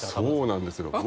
そうなんですよ。